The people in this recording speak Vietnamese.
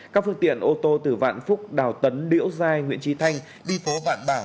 các phương tiện ô tô từ vạn phúc đào tấn điễu giai nguyễn trinh thanh đi phố vạn bảo